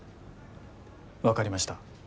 分かりました。